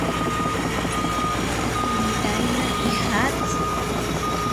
Intaina ijatsi.